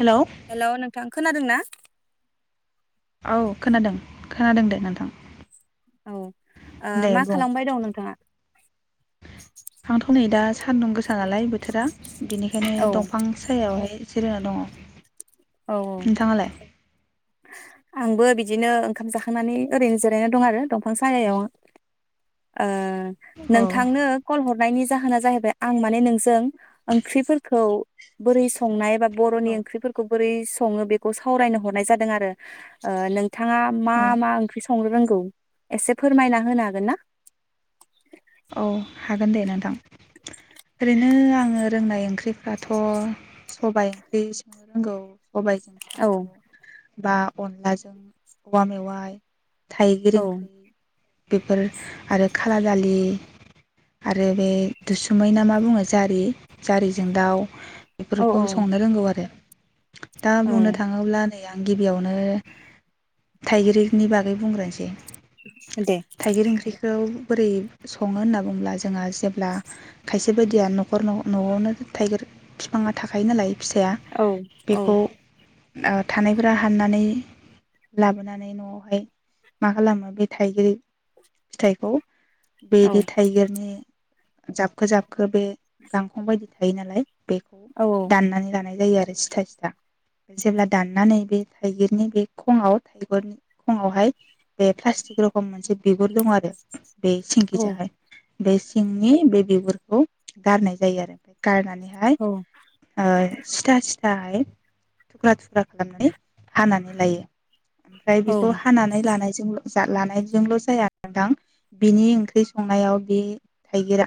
Hello हेल नोंथां खोनादों ना? औ खोनादों खोनादों दे नोंथां ‌। औ ओ मा खालामबाय दं नोंथाङा? सानदुं गोस नालाय बोथोरा बिनिखायनो औ दंफां सायावहाय जिरायना दङ। औ औ। नोंथाङालाय आंबो बिदिनो ओंखाम जाखांनानै ओरैनो जिरायना दं आरो दंफां सालायाव। ओ अ नोंथांनो कल हरनायनि जा होना जाहैबाय आं माने नोंजों ओंख्रिफोरखौ बोरै स नाय बा बर'नि औ ओंख्रिफोरखौ बोरै सङो बेखौ सावरायनो हरनाय जा दों आरो ओ नों थाङा मा मा ओंख्रि स नो रोंगौ एसे फोरमायना होनो हागोन ना? औ हागोन दे नोंथां ओरैनो आङो रोंनाय ओंख्रिफ्राथ' सबाय ओंख्रि संनो रोंगौ। सबायजों औ साम' बा अनलाजों औवा मेवाइ थाइगिर औ ओंख्रि बेफोर आरो खाला दालि आरो बे दुसुमै ना मा बुङो जारि जारिजों दाउ औ बेफोरखौ संनो रोंगौ आरो। दा औ बुंनो थाङोब्ला नै आं गिबियावनो थाइगिरनि बागै बुंग्रोनोसै दे थाइगिर ओंख्रिखौ बोरै सङो होनना बुङोब्ला जोंहा जेब्ला खायसे बायदिया न'खर न'आवनो थाइगिर बिफाङा थाखायो नालाय। फिथाया औ औ बेखौ ओ थानायफोरा हाननानै लाबोनानै न'आवहाय मा खालामो बे थाइगिर फिथाइखौ औ बेदि थाइगिरनि जाबखो जाबखो बे गांखं बायदि थायो नालाय। बेखौ औ दाननानै जानाय जायो आरो सिथा सिथा जेब्ला दाननानै बे थाइगिरनि बे खङाव थाइगिरनि खङावहाय बे प्लस्टिक रखम मोनसे बिगुर दं आरो बे बे औ जाहाय बे सिंनि बे बिगुरखौ गारनाय जायो आरो गारनानै हाय औ ओ सिथा सिथाहाय, थुख्रा थुख्रा खालामनानै हानानै लायो ओमफ्राय औ बेखौ हानानै लानायजोंल' दा लानायजोंल' जाया नोंथां बेनि ओं ख्रि संनायाव बे थाइगिरा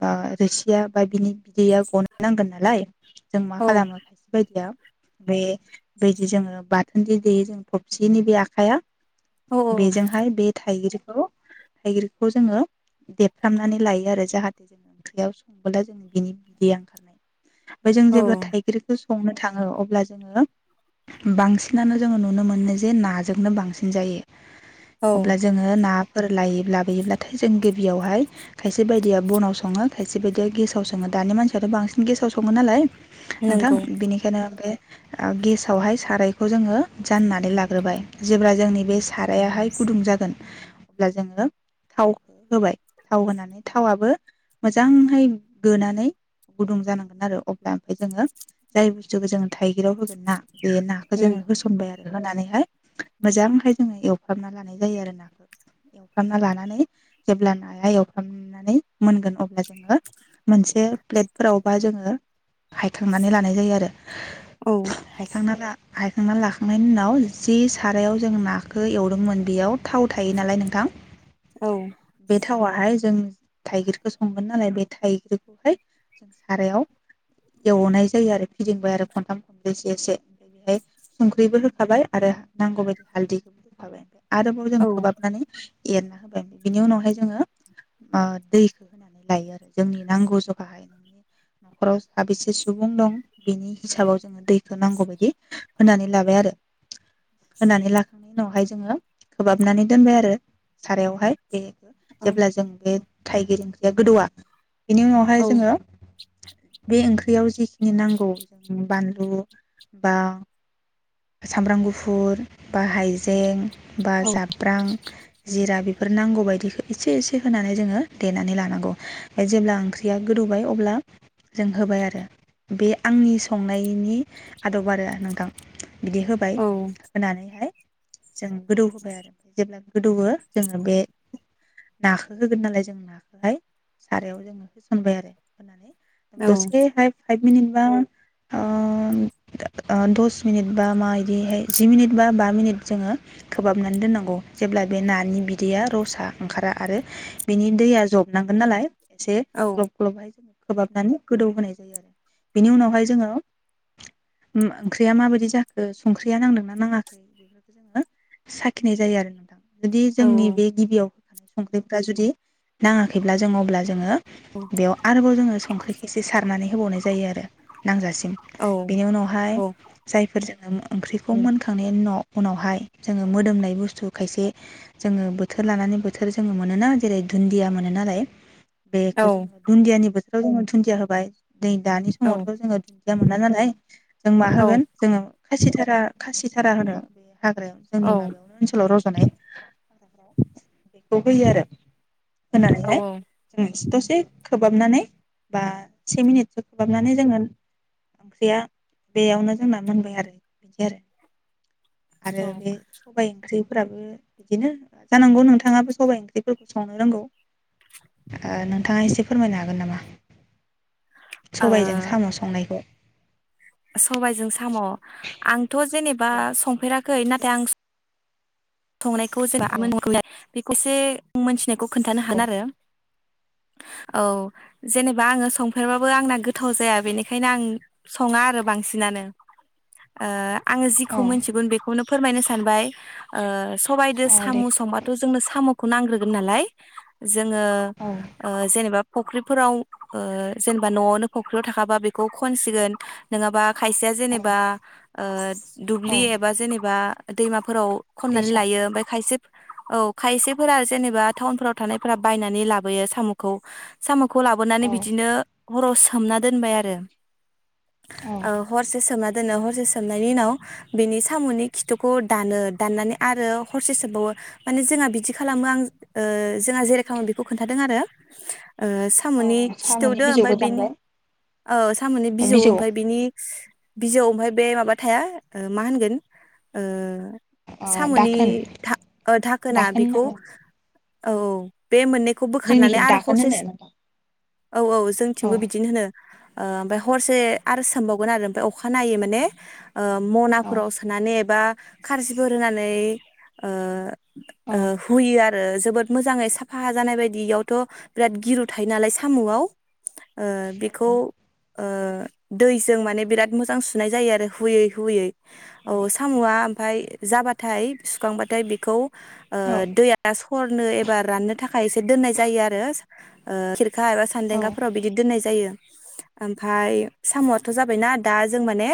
बा रोसिया बा बिनि बिदैया गनो नांगोन नालाय। जों मा औ खालामो खायसे बायदिया बे बेदि जोङो बाथोन दे देयो जों थबसिनि बे आखाइया औ बेजोंहाय बे थाइगिर औ थाइगिर खौ जोङो देफ्रामनानै लायो आरो जाहाथे जोङो ओंख्रियाव संबोला जोङो बिनि बिदैया ओंखारनाय ओमफ्राय जों औ जेब्ला थाइगिरखो संनो थाङो अब्ला जोङो बांसिनानो जोङो नुनो मोनो जे नाजोंनो बांसिन जायो। औ अब्ला जोङो नाफोर लायोब्ला लायोब्लाथाय जों गिबियावहाय खायसे बायदिया बनाव सङो खायसे बायदिया गेसाव सङो दानि मानसियाथ' बांसिन गेसाव सङो नालाय। नोंथां नंगौ बिनिखायनो बे ओ गेसावहाय सारायखौ जोङो जाननानै लाग्रोबाय जेब्ला जोंनि बे सारायाहाय गुदुं जागोन अब्ला जोङो थावखौ होबाय थाव होनानै थावआबो मोजांहै गोनानै गुदुं जानांगोन आरो अब्ला ओमफ्राय जोङो जाय बुस्थुखौ जोङो थाइगिरयाव होब गोन ना बे नाखो उम जोङो होसनबाय आरो। होनानैहाय मोजांहाय जोङो एवफ्रामना लानाय जायो आरो नाखौ। एवफ्रामना लानानै जेब्ला नाया एवफ्रामनानै मोनगोन अब्ला जोङो मोनसे प्लेटफोरावबा जोङो हायखांनानै लानाय जायो आरो। औ। हायखांनानै लाखांनायनि उनाव जि सारायाव जों नाखौ एवदोंमोन बेयाव थाव थायो नालाय नोंथां औ बे थावाहाय जों थाइगिरखौ संगोन नालाय बे थाइगिरखौहाय जों सारायाव एवनाय जायो आरो फिदिंबाय आरो खनथाम खनब्रैसे एसे ओमफ्राय बेहाय संख्रिबो होखाबाय आरो नांगौबायायदि हालदैखौबो होखाबाय ओमफ्राय आरोबाव जों औ खोबहाबनानै एरना होबाय बिनि उनावहाय जोङो ओ दैखौ होनानै लायो आरो जोंनि नांगौ जगाहाय नोंनि न'खराव साबेसे सुबुं दं बिनि हिसाबाव जोङो दैखो नांगौबायायदि होनानै लाबाय आरो होनानै लाखांनायनि उनावहाय जोङो खहाबनानै दोनबाय आरो। सारायावहाय। बे औ जेब्ला जों बे थाइगिर ओंख्रिया गोदौआ। बेनि औ उनावहाय जोङो बे ओंख्रियाव जिखिनि नांगौ जों बानलु बा सामब्राम गुफुर बा हाइजें बा औ जाब्रां जिरा बेफोर नांगौ बदिखौ एसे एसे होनानै जोङो देनानै लानांगौ ओमफ्राय जेब्ला ओंख्रिया गोदौबाय अब्ला जों होबाय आरो बे आंनि संनायनि आदब आरो नोंथां। बिदि होबाय औ होनानैहाय जों गोदौ होबाय आरो ओमफ्राय जेब्ला गोदौवो जोङो बे नाखौ होगोन नालाय जों नाखौहाय सारायाव जोङो होसनबाय आरो होनानै औ दसे हाय फाइभ मिनिट बा ओ दस मिनिट बा माबायदिहाय जि मिनिट बा बा मिनिट जोङो खोबहाबनानै दोननांगौ जेब्ला बे ना नि बिदैया रसा ओंखारा आरो बिनि दैया जबनांगोन नालाय एसे ग्लब ग्लबहाय खोबहाबनानै गोदौ होनोनाय जायो आरो बेनि उनावहाय जोङो ओम ओंख्रिया माबायदि जाखो संख्रिया नांदोंना नाङाखै बेफोरखौ जोङो साखिनाय जायो आरो नोंथां जुदि जोंनि बे गिबियाव संख्रिफ्रा जुदि नाङाखैब्ला जों अब्ला जोङो बेयाव आरोबाव जोङो संख्रि एसे सारनानै होबावनाय जायो आरो नांजासिम बेनि उनावहाय जायफोरजों ओंख्रिखौ मोनखांनायनि उनाव उनावहाय जोङो मोदोमनाय बुस्थु खायसे जोङो बोथोर लानानै बोथोर जोङो मोनोना जेरै दुन्दिया मोनो नालाय बेखौ औ जोङो दुन्दियानि बो थोराव जोङो दुनदिया होबाय नै दानि औ समावथ' जोङो दुन्दिया मोना नालाय जों मा होगोन जोङो खासिथारा खासि रा होनो हाग्रायाव जोंनि ओ माबायावनो ओनसोलाव रज'नाय बेखौ होयो आरो होनानैहाय दसे खोबहाबनानै बा से मिनिटसो खोबहाबनानै जोङो ओंख्रिया बेयावनो जोंना मोनबाय आरो बिदि आरो। आरो बे सबाइ ओंख्रि फोराबो बिदिनो जानांगौ नोंथाङाबो सबायाइ ओंख्रिफोरखौ संनो रोंगौ ओ नोंथाङा एसे फोरमायनो हागोन नामा? सबायजों साम' संनायखौ सबायजों साम' आं थ' जेनेबा औ संफेरा खै नाथाय आं संनायखौ जों औ [unintelligible] एसे मोनथिनायखौ खोन्थानो हागोन आरो। औ जेनेबा आङो संफेरबाबो आंना गोथाव जाया बेनिखायनो आं सङा आरो बांसिनानो ओ आङो जिखौ औ मोनथिगोन बेखौनो फोरमायनो सानबाय। ओ सबायदो औ साम' दे संबाथ' जोंनो साम' खौ नांग्रोगोन नालाय जोङो ओ जेनेबा फुख्रिफोराव ओ जेनेबा न'आवनो फख्रियाव थाखाबा बेखौ खनसिगोन नोङाबा खायसेया जेनेबा ओ दुब्लि एबा जेनेबा दैमाफोराव खननानै दैसा लायो ओमफाय खायसे औ खायसेफोरा जेनेबा टाउनफोराव थानायफोरा बायनानै लाबोयो साम'खौ साम' खौ लाबोनानै बिदिनो हराव सोम [unintelligible] दोनबाय आरो आ हरसे सोमना दोनो हरसे सोमनायनि उनाव बिनि साम'नि खिथुखौ दानो दाननानै आरो हरसे सोमबावो माने जोंहा बिदि खालामो आं जोंहा जेरै खालामो बेखौ खोन्थादों आरो ओ औ साम'नि साम'नि खिथौदो ओमफ्राय बिजौखौ बेनि दानबाय औ साम'नि बिजौ ओमफ्राय बेनि बिजौ ओमफाय बे माबा थाया मा होनगोन ओ ओ साम'नि दाखोन धाखोना दाखोन होनना बेखौ बुङो औ औ बे मोननैखौ बोखारनानै जोंनिखि आरो दाखोन हरसे होनो नोंथां औ औ औ जोंथिंबो बिदिनो होनो ओ ओमफ्राय हरसे आरो सोमबावगोन आरो ओमफ्राय अखानायै माने ओ मनाफोराव सोनानै एबा [unintelligible] बोरोनानै ओ ओ हुयो आरो ओ जोबोद मोजाङै साफाहा जानाय बायदि इयावथ' बिराद गिरु थायो नालाय साम'आव ओ बेखौ ओ दैजों माने बिराद मोजां सुनाय जायो आरो हुयै हुयै औ साम'आ ओमफ्राय जाबाथाय सुखांबाथाय बेखौ ओ दैया हरनो एबा राननो थाखाय एसे दोननाय जायो आरो [unintelligible] सान्देंगाफोराव बिदि दोन्नाय जायो ओमफ्राय साम'आथ' जाबायना दा जों माने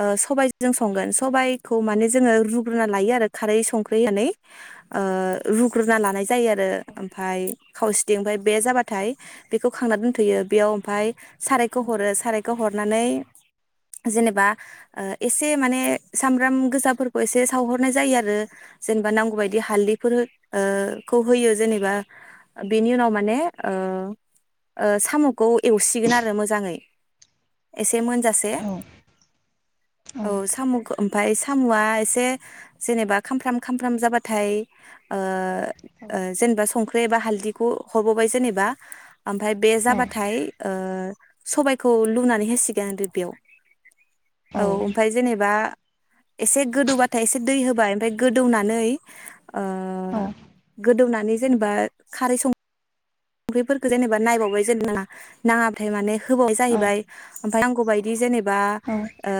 ओ सबाय जों संगोन सबायखौ माने जोङो रुग्रोना लायो आरो खारै संख्रि होनानै ओ रुग्रोना लानाय जायो आरो ओमफ्राय खावसेथिं ओमफ्राय बे जाबाथाय बेखौ खांनानै दोनथ'यो बेयाव ओमफ्राय सारायखौ हरो सारायखौ हरनानै जेनेबा एसे माने सामब्राम गोजा फोरबो एसे सावहरनाय जायो आरो जेनेबा नांगौ बायदि हालदैफोर ओ खौ होयो जेनेबा बिनि उनाव माने साम'खौ एवसिगोन आरो मोजै मोनजासे औ औ सामखौ ओमफाय साम'आ एसे जेनेबा खामफ्राम खामफ्राम जाबाथाय ओ ओ जेनेबा सं रे एबा हालददिखौ हरबोबाय जेनेबा ओमफ्राय बे जाबाथाय ओ सबायखौ लुनानै होसिगोन बेयाव। औ ओमफ्राय जेनेबा एसे गोदौबा हाथाय एसे दै होबाय ओमफ्राय गोदौनानै ओ गोदौनानै जेनेबा खारै सं संख्रिफोरखौ जेनेबा नायबावबाय जेन नाङा नाङाथाय माने होबाव जाहैबाय नांगौ बायदि जेनेबा बा औ ओ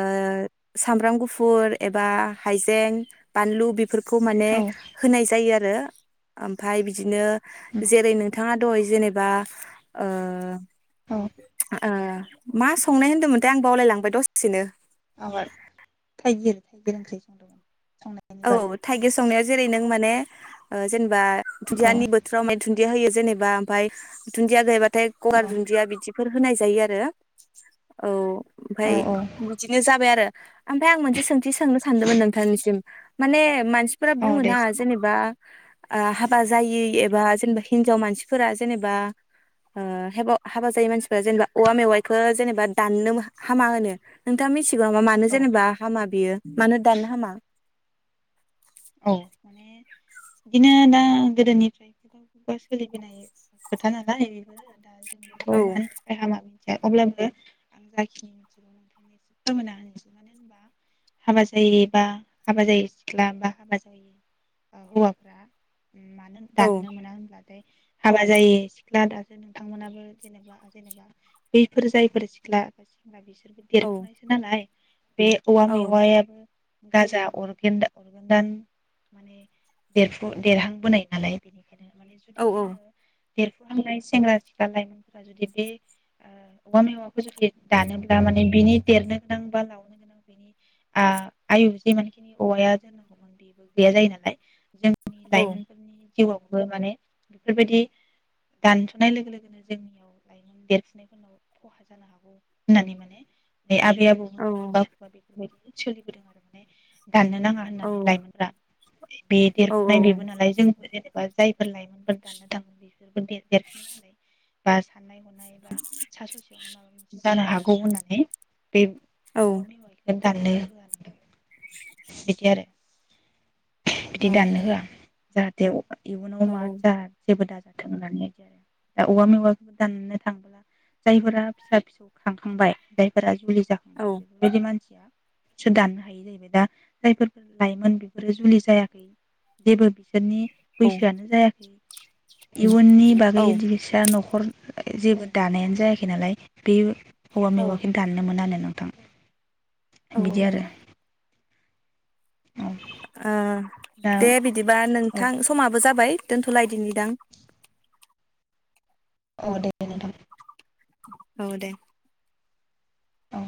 सामब्राम गुफुर एबा हाइजें बानलु बिब बेफोरखौ माने औ होनाय जायो आरो। ओमफ्राय बिदिनो जेरै नोथां मा दहय जेनेबा ओ ओ मा संनाय होन्दोंमोन थाय आं बावलायलांबाय दसेनो। आबाद थाइगिर थाइगिर ओंख्रि। संनायनि बागै औ थाइगिर संनाया जेरै नों माने ओ जेन जे बा औ दुदियानि बोथोराव मैथु दुन्दिया होयो जेनेबा ओमफाय दुनदिया गैयाबा थाय औ गगार दुन्दिया बिदि बेफोर होनाय जायो आरो औ। ओमफ्राय औ औ बिदिनो जाबाय आरो। ओमफ्राय आं मोनसे सोंथि सोंनो सानदोंमोन नोंथांनिसिम। माने मान सिफोरा औ बुङोना दे जेनेबा ओ हाबा जायि एबा जेनेबा हिन्जाव मानसिफोरा जेनेबा ओ हेब हाबा जायो मानसिफ्रा जेनेबा औवा मेवाइखौ जेनेब बा दाननो हामा होनो नोंथाङा मिथि [unintelligible] मानो औ जेनेबा हामा बियो मानो दानो हामा औ बिदिनो दा गोदोनिफ्राय [unintelligible] खुगा खुगा सोलिबोनाय खोथा नालाय औ थ' मानि थाखाय हामा अब्लाबो आं [unintelligible] हाबा जायि बा हाबा जायि सिख्ला बा हाबा [unintelligible] जायि ओ हौवाफ्रा मानो औ दाननो मोना होनब्ला हाबा जायो सिख्ला दासो नोंथांमोनाबो जेनेबा जेनेबा [unintelligible] बैफोर जायफोर सिख्ला बिसोरनि था औ देरफुनायसो नालाय बे औवा औ मेवाय गाजा अरगोनदा दान माने देरफु देरहां बोनाय नालाय [unintelligible] माने औ जुदि जोङो देरफुहांनाय सेंग्रा सिख्ला लाइमोनफोरा जुदि बे ओ औवा मेवाखौ जुदि दानोब्ला माने बिनि देरनो गोनां बा लावनो गोनां बिनि आ आयु जे मानखिनि औवाया बेबो गैया जायो नालाय जोंनि [unintelligible] औ लाइमोनफोरनि जिउआवबो माने बेफोरबायदि दानस'नाय लोगो लोगोनो [unintelligible] जोंनियाव लाइमोन देरफुनायफोरनाव खहा [unintelligible] जानो हागौ होननानै माने बे आबै आबौमो औ [unintelligible] सोलिबोदों आरो माने दाननो नाङा औ होननानै [unintelligible] बे औ देरफुनाय बेबो नालाय जों जे बा जायफोर लाइमोनफोर दाननो [unintelligible] थाङोन बेसोरबो देरफिनो हालाय बा साननाय हना [unintelligible] जानो हागौ होननानै बे [unintelligible] दाननो बिदि आरो बिदि दाननो होआ जाहाथे इयुनाव औ मा जा जेबो दा थों होननानै औवा मेवाखौ दाननो [unintelligible] थांब्लाजायफोरा फिसा फिसौ खांखांबाय जायफोरा जाखांबाय बेफोरबायदि मानसिया सो दाननो हायि जाहैबाय दा जायफोर लाइमोन गो जुलि जायाखै जेबो बि बिसोरनि बैसोआनो जायाखै इयुननि बागै दिबिसा न'खर न'खर जेबो दानायानो जायाखै नालाय बे हौवा मेवाखौ दाननो मोनानो होन्नानै नोंथां औ बिदि औ आरो औ ओ दा दे बिदिबा औ नोंथां समाबो जाबाय दोनथ'लायदिनि दां औ देेदे नोंथां औ दे औ